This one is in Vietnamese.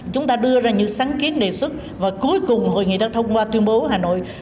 chúng ta đưa ra những sáng kiến đề xuất và cuối cùng hội nghị đã thông qua tuyên bố hà nội